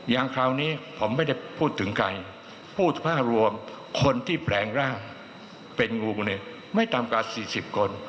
อย่างคราวนี้ผมไม่ได้พูดถึงใครพูดภาพรวมคนที่แปลงร่างเป็นงูเนี่ยไม่ต่ำกว่า๔๐คน